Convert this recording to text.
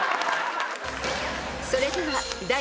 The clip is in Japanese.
［それでは］